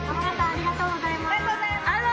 ありがとうございます！